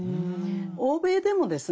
欧米でもですね